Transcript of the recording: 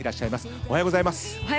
おはようございます。